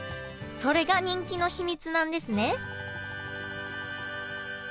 それが人気の秘密なんですね